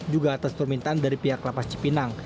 juga atas permintaan dari pihak lapas cipinang